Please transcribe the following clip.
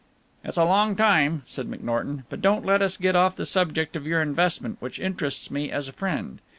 "It's a long time," said McNorton; "but don't let us get off the subject of your investment, which interests me as a friend.